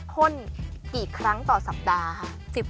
พ่นกี่ครั้งต่อสัปดาห์ค่ะ